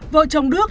vợ chồng đức